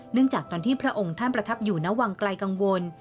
จากตอนที่พระองค์ท่านประทับอยู่ณวังไกลกังวล